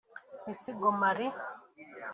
Misingo Marie